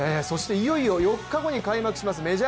そしていよいよ、４日後に開幕します